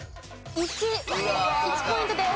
１ポイントです。